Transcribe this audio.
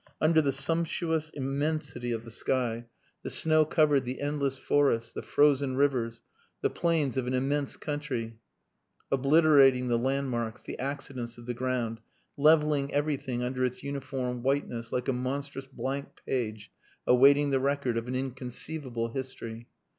Under the sumptuous immensity of the sky, the snow covered the endless forests, the frozen rivers, the plains of an immense country, obliterating the landmarks, the accidents of the ground, levelling everything under its uniform whiteness, like a monstrous blank page awaiting the record of an inconceivable history.